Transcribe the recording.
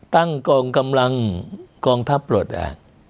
ตั้งกองกำลังกองทัพปลดแอบ